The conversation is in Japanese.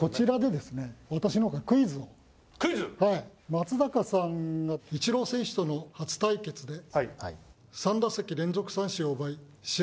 松坂さんがイチロー選手との初対決で３打席連続三振を奪い試合に勝利。